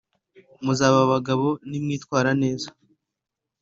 Muzaba abagabo nimwitwara neza.